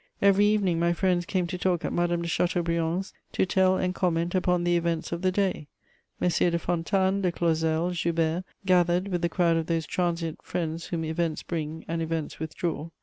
Every evening my friends came to talk at Madame de Chateaubriand's, to tell and comment upon the events of the day. Messieurs de Fontanes, de Clausel, Joubert gathered with the crowd of those transient friends whom events bring and events withdraw.